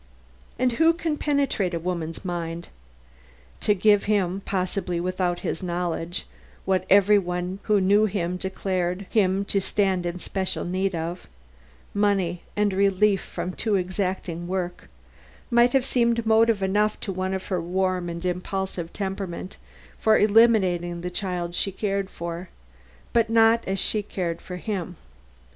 And who can penetrate a woman's mind? To give him possibly without his knowledge what every one who knew him declared him to stand in special need of money and relief from too exacting work might have seemed motive enough to one of her warm and impulsive temperament, for eliminating the child she cared for, but not as she cared for him.